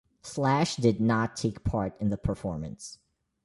Slash did not take part in the performance.